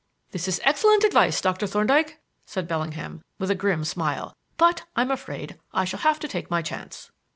"This is excellent advice, Doctor Thorndyke," said Bellingham, with a grim smile; "but I'm afraid I shall have to take my chance."